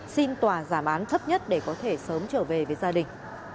xin tòa giảm án thấp nhất để có thể sớm trở về với gia đình